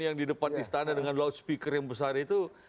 yang di depan istana dengan loudspeaker yang besar itu